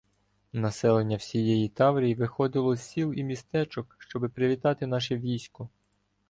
Населення всієї Таврії виходило з сіл і містечок, щоби привітати наше військо.